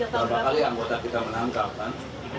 berapa kali anggota kita menangkap kan